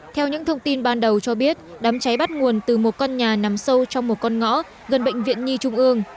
theo những thông tin ban đầu cho biết đám cháy bắt nguồn từ một căn nhà nằm sâu trong một con ngõ gần bệnh viện nhi trung ương